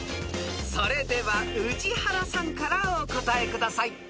［それでは宇治原さんからお答えください］